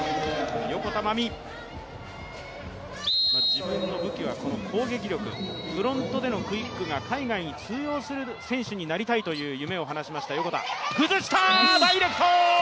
自分の武器は攻撃力、フロントでのクイックが海外に通用する選手になりたいという夢を語りました、横田。